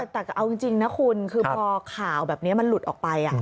แต่เอาจริงนะคุณคือพอข่าวแบบนี้มันหลุดออกไป